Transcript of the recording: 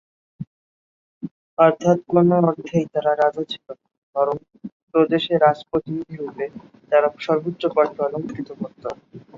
অর্থাৎ কোনও অর্থেই তারা রাজা ছিল না, বরং প্রদেশে রাজ-প্রতিনিধিরূপে তারা সর্বোচ্চ পদটি অলংকৃত করতো।